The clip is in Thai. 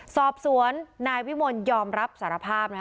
สอบสวนนายวิมลยอมรับสารภาพนะคะ